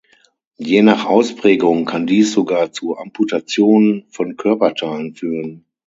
Je nach Ausprägung kann dies sogar zu Amputationen von Körperteilen führen.